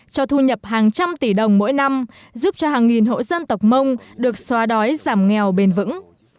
cho thu nhập hàng trăm tỷ đồng mỗi năm giúp cho hàng nghìn hộ dân tộc mông được xóa đói giảm nghèo bền vững